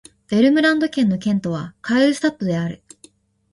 ヴェルムランド県の県都はカールスタッドである